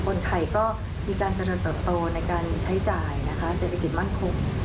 คนไทยก็มีการเจริญเติบโตในการใช้จ่ายนะคะเศรษฐกิจมั่นคง